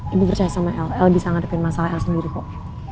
ibu percaya sama el el bisa ngadepin masalah el sendiri kok